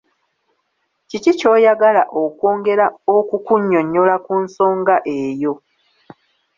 Kiki ky’oyagala okwongera okukunnyonnyola ku nsonga eyo?